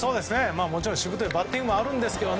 もちろん、しぶといバッティングもあるんですけど